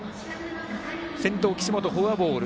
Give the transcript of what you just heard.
先頭、岸本、フォアボール。